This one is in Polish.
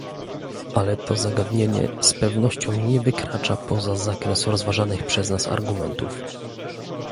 Ale to zagadnienie z pewnością nie wykracza poza zakres rozważanych przez nas argumentów